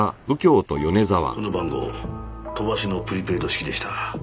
この番号飛ばしのプリペイド式でした。